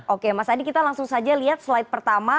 oke mas adi kita langsung saja lihat slide pertama